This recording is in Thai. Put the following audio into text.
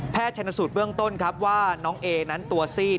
ชนสูตรเบื้องต้นครับว่าน้องเอนั้นตัวซีด